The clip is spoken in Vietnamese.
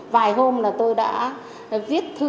vài hôm là tôi đã viết thư